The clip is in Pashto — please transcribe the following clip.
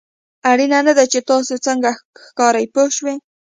اړینه نه ده چې تاسو څنګه ښکارئ پوه شوې!.